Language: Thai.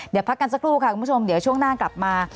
เดี๋ยวพักกันสักครู่ค่ะคุณผู้ชมเดี๋ยวช่วงหน้ากลับมา